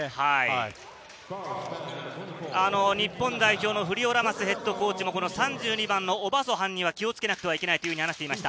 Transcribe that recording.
日本代表のフリオ・ラマスヘッドコーチは３２番のオバソハンには、気を付けなければいけないと話していました。